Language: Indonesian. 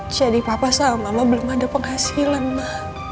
jadi papa sama mama belum ada penghasilan ma